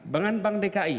dengan bank dki